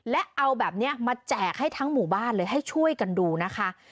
และเอาแบบนี้มาแจกให้ทั้งหมู่บ้านเลยให้ช่วยกันดูนะคะ